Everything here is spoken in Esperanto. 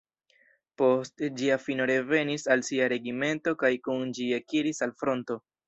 Post ĝia fino revenis al sia regimento kaj kun ĝi ekiris al fronto.